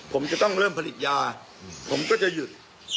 ผมจะต้องเริ่มผลิตยาผมก็จะหยุด